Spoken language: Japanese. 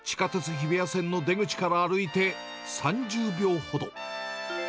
日比谷線の出口から歩いて３０秒ほど。